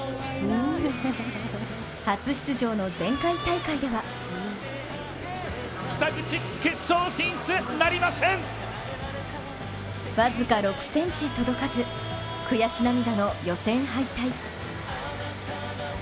初出場の前回大会では僅か６ｃｍ届かず、悔し涙の予選敗退。